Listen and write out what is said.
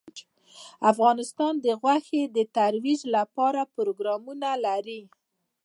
افغانستان د غوښې د ترویج لپاره پروګرامونه لري.